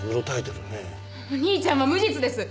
お兄ちゃんは無実です！